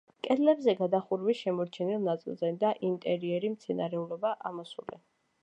კედლებზე, გადახურვის შემორჩენილ ნაწილზე და ინტერიერი მცენარეულობაა ამოსული.